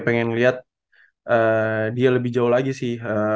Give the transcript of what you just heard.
pengen lihat dia lebih jauh lagi sih